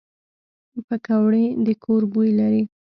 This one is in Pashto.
پکورې د کور بوی لري